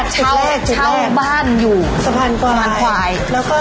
เชิดแรกแล้วโห